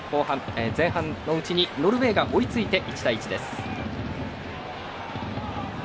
前半のうちにノルウェーが追いついて１対１です。